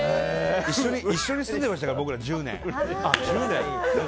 一緒に住んでましたから僕ら、１０年。